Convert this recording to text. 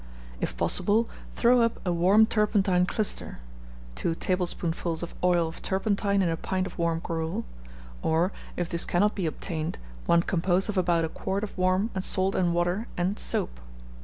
If possible, throw up a warm turpentine clyster (two tablespoonfuls of oil of turpentine in a pint of warm gruel), or, if this cannot be obtained, one composed of about a quart of warm salt and water and soap.